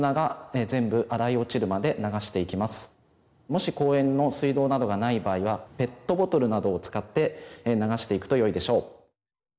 もし公園の水道などがない場合はペットボトルなどを使って流していくとよいでしょう。